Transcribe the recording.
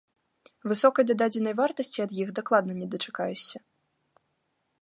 Высокай дададзенай вартасці ад іх дакладна не дачакаешся.